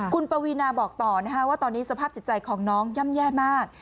คุณปวีนาบอกต่อว่าตอนนี้สภาพจิตใจของน้องย่ำแย่มาก